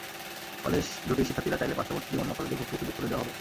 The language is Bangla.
কলেজ দুটির শিক্ষার্থীরা চাইলে পার্শ্ববর্তী অন্য কলেজে ভর্তির সুযোগ করে দেওয়া হবে।